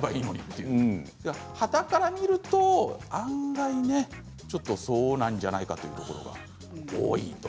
はたから見ると案外そうなんじゃないかということが多いと。